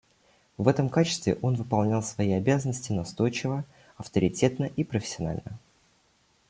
В этом качестве он выполнял свои обязанности настойчиво, авторитетно и профессионально.